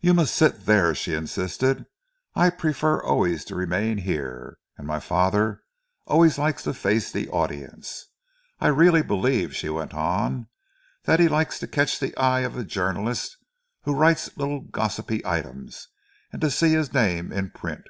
"You must sit there," she insisted. "I prefer always to remain here, and my father always likes to face the audience. I really believe," she went on, "that he likes to catch the eye of the journalist who writes little gossipy items, and to see his name in print."